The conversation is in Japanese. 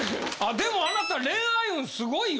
でもあなた恋愛運すごいよ。